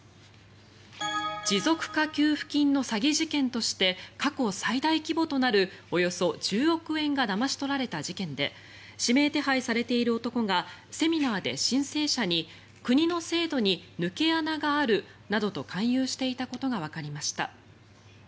持続化給付金の詐欺事件として過去最大規模となるおよそ１０億円がだまし取られた事件で指名手配されている男がセミナーで申請者に国の制度に抜け穴があるなどと勧誘していたことがわかりました。